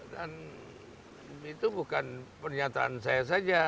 dan itu bukan pernyataan saya saja